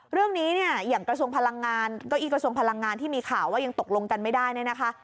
เรื่องนี้เนี่ยอย่างกระทรวงพลังงานเก้าอี้กระทรวงพลังงานที่มีข่าวว่ายังตกลงกันไม่ได้เนี่ยนะคะ